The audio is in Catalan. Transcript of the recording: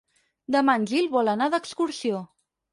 Demà en Gil vol anar d'excursió.